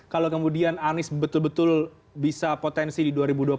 kalau kemudian anies betul betul bisa potensi di dua ribu dua puluh empat